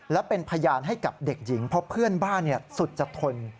และเป็นพยานให้กับเด็กหญิงเพราะเพื่อนบ้านสุดจะทน